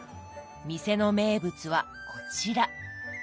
店の名物はこちら。